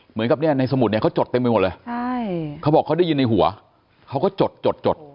เหมือนกับในสมุทรก็จดเป็นไปหมดเลยเขาบอกเขาได้ยินในหัวเขาก็จดนี้ถ่ายใจ